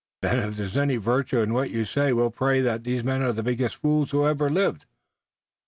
"Then if there's any virtue in what you say we'll pray that these men are the biggest fools who ever lived."